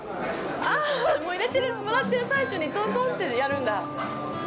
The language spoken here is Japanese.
あぁ、もうやってもらってる最中にトントンってやるんだ！？